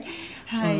はい。